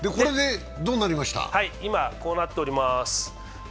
今、こうなっております。